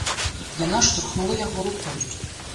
Яна штурхнула яго рукой.